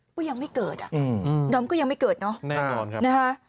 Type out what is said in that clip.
ก็ยังไม่เกิดน้ำก็ยังไม่เกิดเนอะนะคะแน่นอนครับ